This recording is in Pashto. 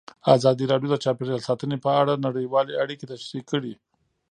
ازادي راډیو د چاپیریال ساتنه په اړه نړیوالې اړیکې تشریح کړي.